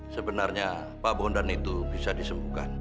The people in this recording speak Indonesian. sebenarnya pak bondan itu bisa disembuhkan